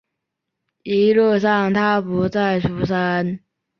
一路上他不再出声